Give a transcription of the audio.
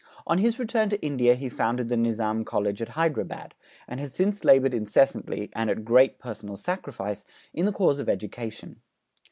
On his return to India he founded the Nizam College at Hyderabad, and has since laboured incessantly, and at great personal sacrifice, in the cause of education.